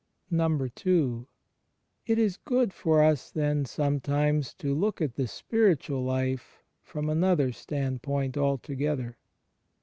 n. It is good for us then, sometimes, to look at the spiritual life from another standpoint altogether.